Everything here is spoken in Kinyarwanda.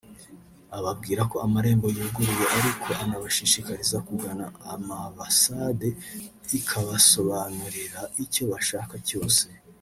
ababwira ko amarembo yuguruye ariko anabashishikariza kugana Amabasade ikabasobanurira icyo bashaka cyose